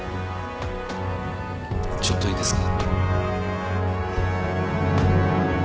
ちょっといいですか？